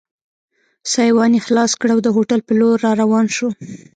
سایوان یې خلاص کړ او د هوټل په لور را روان شو.